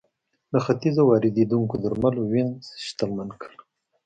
له ختیځه واردېدونکو درملو وینز شتمن کړ.